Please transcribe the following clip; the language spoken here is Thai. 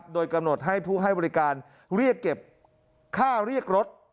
โดยกำหนดให้ผู้ให้บริการเรียกเก็บค่าเรียกรถ